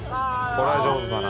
これは上手だな。